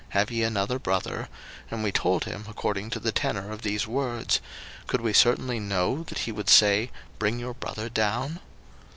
have ye another brother? and we told him according to the tenor of these words: could we certainly know that he would say, Bring your brother down?